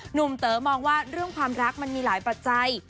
เต๋อมองว่าเรื่องความรักมันมีหลายปัจจัย